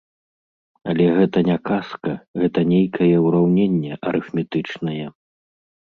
Але гэта не казка, гэта нейкае ўраўненне арыфметычнае.